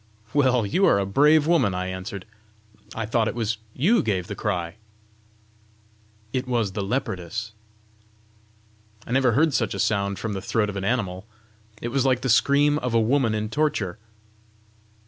"Well, you are a brave woman!" I answered. "I thought it was you gave the cry!" "It was the leopardess." "I never heard such a sound from the throat of an animal! it was like the scream of a woman in torture!"